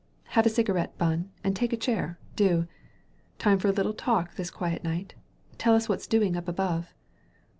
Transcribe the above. "Have a cigarette* Bunn» and take a chair, do. Time for a little talk this quiet night ? Tell us what's doing up above."